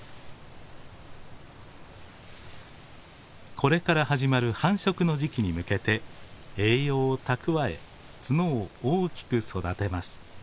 これから始まる繁殖の時期に向けて栄養を蓄え角を大きく育てます。